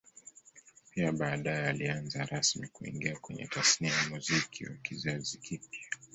Pia baadae alianza rasmi kuingia kwenye Tasnia ya Muziki wa kizazi kipya